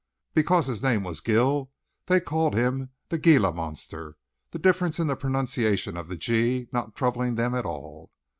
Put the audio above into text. Because his name was Gill they called him the Gila monster the difference in the pronunciation of the "G's" not troubling them at all.